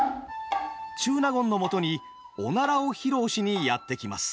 中納言のもとにおならを披露しにやって来ます。